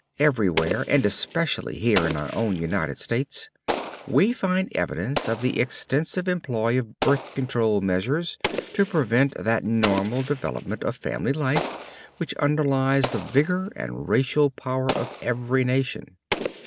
Everywhere and especially here in our own United States, we find evidence of the extensive employ of "birth control" measures to prevent that normal development of family life which underlies the vigor and racial power of every nation.